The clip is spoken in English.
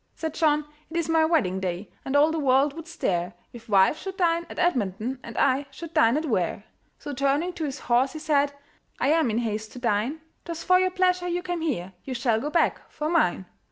Said John, "It is my wedding day, And all the world would stare If wife should dine at Edmonton, And I should dine at Ware." So turning to his horse, he said "I am in haste to dine; 'Twas for your pleasure you came here, You shall go back for mine."